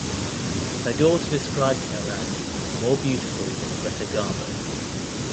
Her daughter described her as "more beautiful than Greta Garbo".